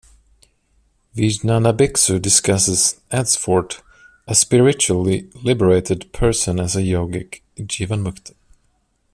Vijnanabhiksu discusses, adds Fort, a spiritually liberated person as a yogic jivanmukta.